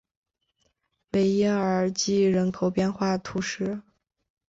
维耶尔济人口变化图示